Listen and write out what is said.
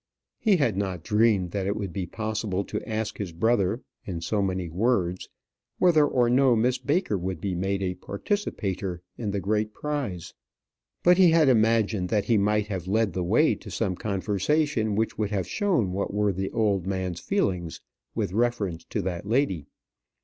He had not dreamt that it would be possible to ask his brother in so many words whether or no Miss Baker would be made a participator in the great prize; but he had imagined that he might have led the way to some conversation which would have shown what were the old man's feelings with reference to that lady.